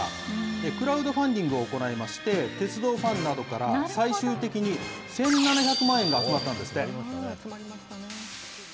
クラウドファンディングを行いまして、鉄道ファンなどから、最終的に１７００万円が集まったんですって。